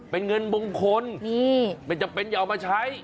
เป็นเงินมงคลไม่จำเป็นอย่าเอามาใช้